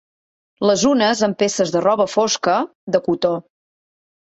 Les unes amb peces de roba fosca, de cotó